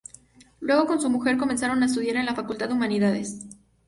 Luego con su mujer comenzaron a estudiar en la facultad de humanidades.